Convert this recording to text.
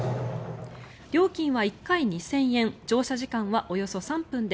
料金は１回２０００円乗車時間はおよそ３分で